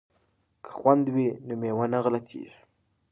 که خوند وي نو مېوه نه غلطیږي.